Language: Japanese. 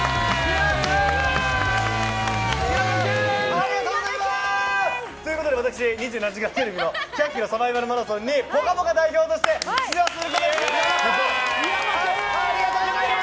ありがとうございます！ということで私「２７時間テレビ」の１００ｋｍサバイバルマラソンに「ぽかぽか」代表として出場することが決まりました！